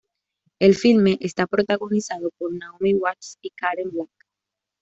El filme está protagonizado por Naomi Watts y Karen Black.